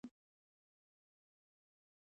له تشکیلاتي تورم څخه باید مخنیوی وشي.